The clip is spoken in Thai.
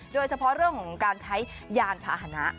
โดยเฉพาะเรื่องของการใช้ยานพาหนะ